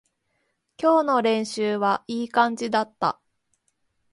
今日の練習はいい感じだった